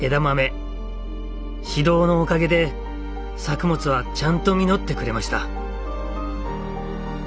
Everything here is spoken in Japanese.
指導のおかげで作物はちゃんと実ってくれました。